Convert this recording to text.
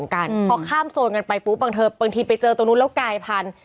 พอข้ามโซนกันไปปุ๊บบางทีไปเจอตรงนู้นแล้วกายพันธุ